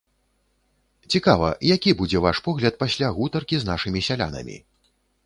Цікава, які будзе ваш погляд пасля гутаркі з нашымі сялянамі?